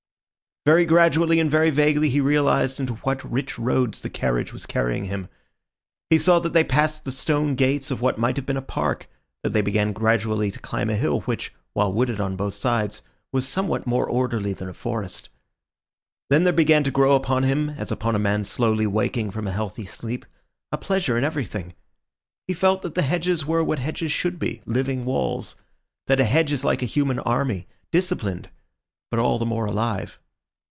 Very gradually and very vaguely he realised into what rich roads the carriage was carrying him. He saw that they passed the stone gates of what might have been a park, that they began gradually to climb a hill which, while wooded on both sides, was somewhat more orderly than a forest. Then there began to grow upon him, as upon a man slowly waking from a healthy sleep, a pleasure in everything. He felt that the hedges were what hedges should be, living walls; that a hedge is like a human army, disciplined, but all the more alive.